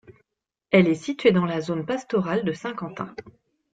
Elle est située dans la zone pastorale de Saint-Quentin.